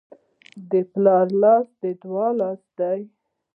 د پلار لاس د دعا لاس دی.